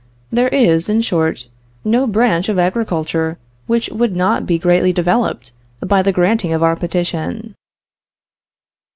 There is, in short, no branch of agriculture which would not be greatly developed by the granting of our petition.